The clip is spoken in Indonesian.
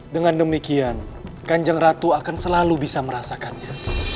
dengan demikian kanjeng ratu akan selalu bisa merasakannya